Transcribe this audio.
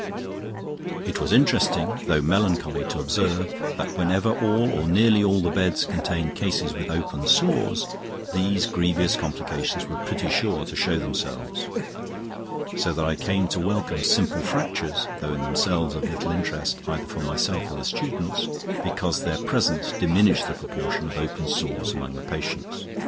It was interesting, though melancholy, to observe that whenever all or nearly all the beds contained cases with open sores, these grievous complications were pretty sure to show themselves; so that I came to welcome simple fractures, though in themselves of little interest either for myself or the students, because their presence diminished the proportion of open sores among the patients.